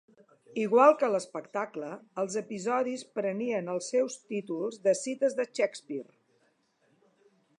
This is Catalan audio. Igual que l'espectacle, els episodis prenien els seus títols de cites de Shakespeare.